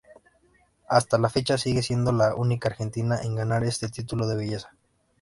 Hasta la fecha, sigue siendo la única argentina en ganar este título de belleza.